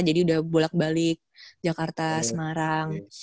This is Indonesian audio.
jadi udah bolak balik jakarta semarang